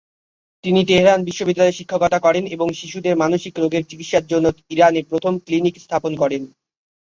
তিনি তেহরান বিশ্ববিদ্যালয়ে শিক্ষকতা করেন এবং শিশুদের মানসিক রোগের চিকিৎসার জন্য ইরানে প্রথম ক্লিনিক স্থাপন করেন।